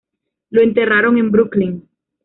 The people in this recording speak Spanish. Lo enterraron en Brooklyn.